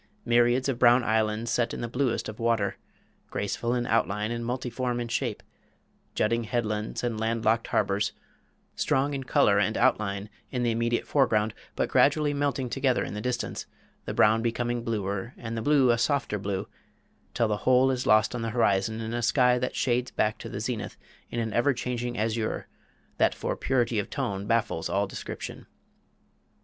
Myriads of brown islands set in the bluest of water graceful in outline and multiform in shape jutting headlands and land locked harbors strong in color and outline in the immediate foreground, but gradually melting together in the distance, the brown becoming bluer and the blue a softer blue till the whole is lost on the horizon in a sky that shades back to the zenith in an ever changing azure that for purity of tone baffles all description.